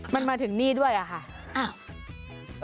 มันมาถึงนี่ด้วยอะค่ะ